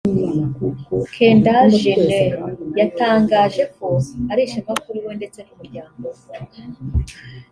Kendall Jenner yatangaje ko ari ishema kuri we ndetse n’umuryango we